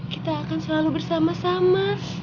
kita akan selalu bersama sama